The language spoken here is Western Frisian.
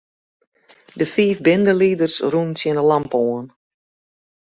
De fiif bindelieders rûnen tsjin 'e lampe oan.